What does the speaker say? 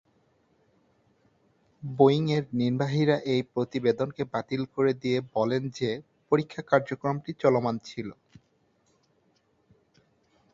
বোয়িংয়ের নির্বাহীরা এই প্রতিবেদনকে বাতিল করে দিয়ে বলেন যে পরীক্ষা কার্যক্রমটি চলমান ছিল।